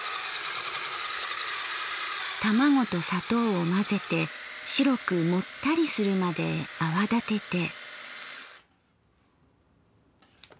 卵と砂糖を混ぜて白くもったりするまで泡立てて。